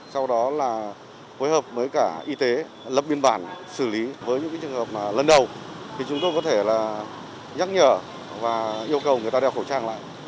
sau đó là hối hợp với cả y tế lập biên bản xử lý với những trường hợp mà lần đầu thì chúng tôi có thể là nhắc nhở và yêu cầu người ta đeo khẩu trang lại